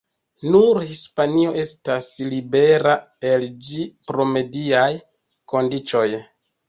Nur Hispanio estas libera el ĝi pro mediaj kondiĉoj.